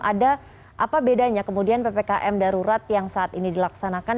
ada apa bedanya kemudian ppkm darurat yang saat ini dilaksanakan